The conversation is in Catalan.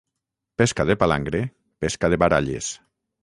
Pesca de palangre, pesca de baralles.